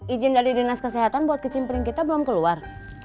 izin dari dinas kesehatan buat kesimpulin kita belum keluar